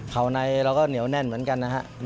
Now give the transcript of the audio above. เขาในเราก็เหนียวแน่นเหมือนกันนะครับ